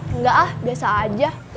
enggak ah biasa aja